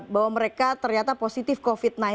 bahwa mereka ternyata positif covid sembilan belas